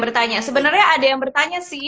bertanya sebenarnya ada yang bertanya sih